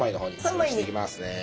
おろしていきますね。